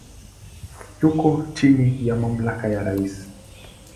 Yuko chini ya mamlaka ya rais.